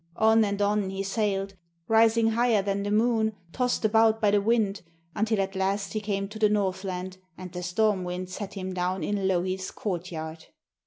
On and on he sailed, rising higher than the moon, tossed about by the wind, until at last he came to the Northland and the storm wind set him down in Louhi's courtyard.